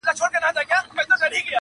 له سړي څخه یې پیل کړلې پوښتني،